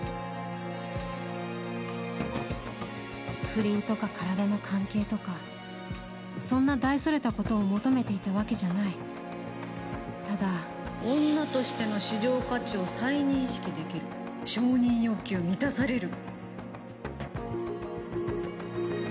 不倫とか体の関係とかそんな大それたことを女としての市場価値を再認識できる承認欲求が満たされる。